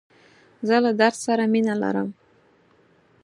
زه له درس سره مینه لرم.